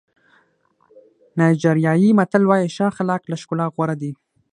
نایجیریایي متل وایي ښه اخلاق له ښکلا غوره دي.